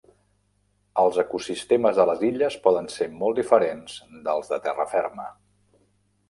Els ecosistemes de les illes poden ser molt diferents dels de terra ferma.